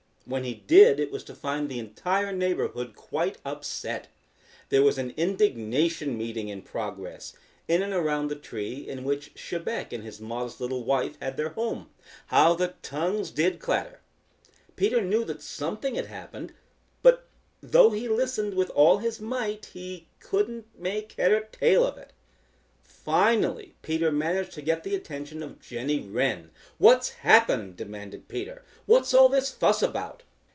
When he did it was to find the entire neighborhood quite upset. There was an indignation meeting in progress in and around the tree in which Chebec and his modest little wife had their home. How the tongues did clatter! Peter knew that something had happened, but though he listened with all his might he couldn't make head or tail of it. Finally Peter managed to get the attention of Jenny Wren. "What's happened?" demanded Peter. "What's all this fuss about?"